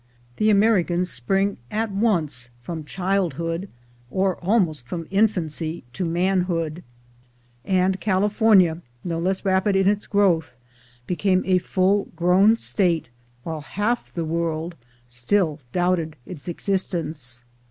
The Americans spring at once from childhood, or almost from infancy, to manhood; and California, no less rapid in its growth, became a full grown State, while one half the world still doubted its existence.